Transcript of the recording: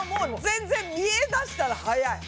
全然見えだしたら早い。